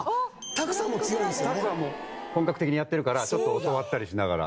拓はもう本格的にやってるからちょっと教わったりしながら。